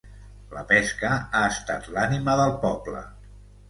La pesca ha estat l'ànima del poble